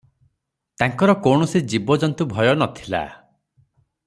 ତାଙ୍କର କୌଣସି ଜୀବଜନ୍ତୁ ଭୟ ନ ଥିଲା ।